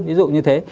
ví dụ như thế